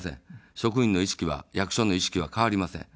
職員の意識は、役所の意識は変わりません。